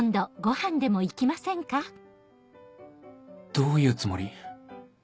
どういうつもり？